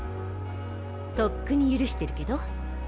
とっくに許してるけど。